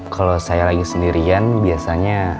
kalau saya lagi sendirian biasanya